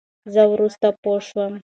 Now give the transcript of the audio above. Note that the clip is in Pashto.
زه ورورسته پوشوم.